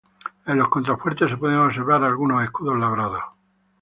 En los contrafuertes se pueden observar algunos escudos labrados.